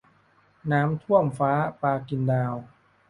น้ำท่วมฟ้า ปลากินดาว